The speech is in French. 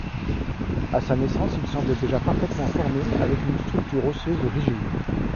À sa naissance, il semble déjà parfaitement formé, avec une structure osseuse rigide.